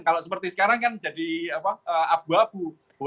kalau seperti sekarang kan jadi abu abu